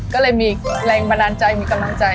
ก็เลยมีแรงบันดาลใจมีกำลังใจ